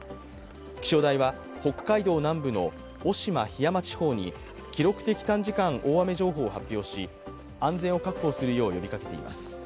気象台は北海道南部の渡島・檜山地方に記録的短時間大雨情報を発表し、安全を確保するよう呼びかけています。